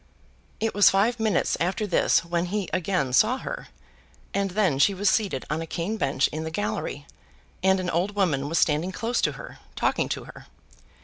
It was five minutes after this when he again saw her, and then she was seated on a cane bench in the gallery, and an old woman was standing close to her, talking to her.